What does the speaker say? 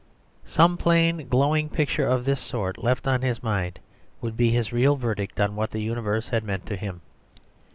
Some plain, glowing picture of this sort left on his mind would be his real verdict on what the universe had meant to him.